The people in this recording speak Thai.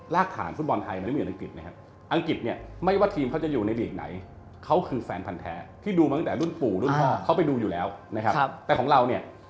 รากฐานสุดบอลไทยมันไม่มีอยู่ในอังกฤษนะครับ